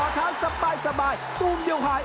รอเท้าสบายตุ้มยกหาย